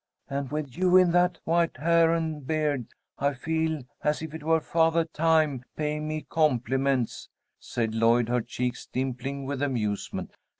"And with you in that white hair and beard I feel as if it were Fathah Time paying me compliments," said Lloyd, her cheeks dimpling with amusement.